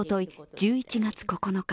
１１月９日